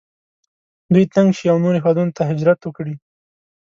دوی تنګ شي او نورو هیوادونو ته هجرت وکړي.